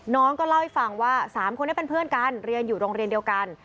น้องก็เล่าให้ฟังว่า๓คนนี้เป็นเพื่อนกันเรียนอยู่โรงเรียนเดียวกัน